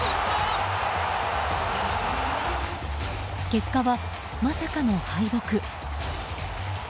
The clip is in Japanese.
結果は、まさかの敗北。